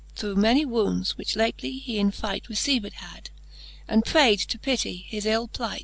Through many wounds, which lately he in fight. Received had, and prayd to pitty his ill plight.